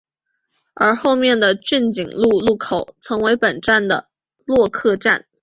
而后面的骏景路路口曾为本站的落客站。